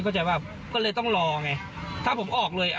เข้าใจว่าก็เลยต้องรอไงถ้าผมออกเลย